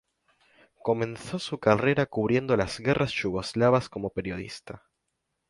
Comenzó su carrera cubriendo las guerras yugoslavas como periodista.